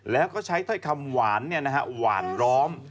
แล้วก็ใช้ถ้อยคำหวานหวานล้อม